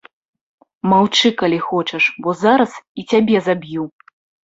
Маўчы, калі хочаш, бо зараз і цябе заб'ю!